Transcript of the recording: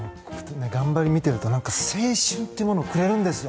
頑張りを見ていると青春というものをくれるんですよ。